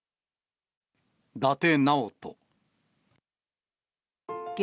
伊達直人。